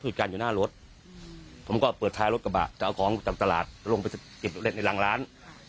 ภูมิการอยู่หน้ารถผมก็เปิดท้ายรถกระบาดจะเอาของจากตลาดลงไปเก็บรถเล็กในหลังร้าน